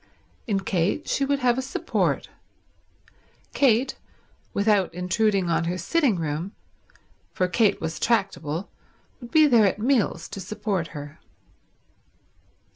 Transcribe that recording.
In Kate she would have a support. Kate, without intruding on her sitting room, for Kate was tractable, would be there at meals to support her.